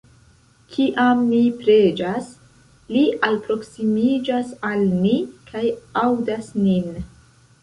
Kiam ni preĝas, Li alproksimiĝas al ni, kaj aŭdas nin.